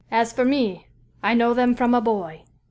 As for me, I know them from a boy."